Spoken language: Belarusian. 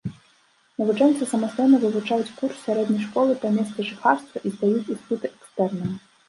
Навучэнцы самастойна вывучаюць курс сярэдняй школы па месцы жыхарства і здаюць іспыты экстэрнам.